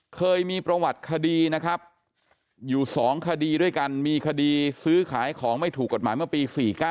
เคยมีประวัติคดีนะครับอยู่๒คดีด้วยกันมีคดีซื้อขายของไม่ถูกกฎหมายเมื่อปี๔๙